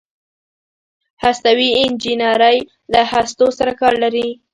هستوي انجنیری له هستو سره کار لري.